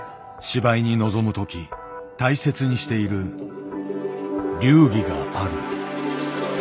芝居に臨む時大切にしている流儀がある。